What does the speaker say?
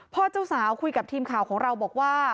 เจ้าสาวคุยกับทีมข่าวของเราบอกว่า